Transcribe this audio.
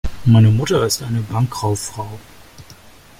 Meine Mutter ist eine Bankkauffrau.